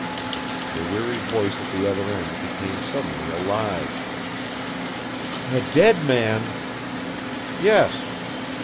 The weary voice at the other end became suddenly alive. "A dead man!" "Yes."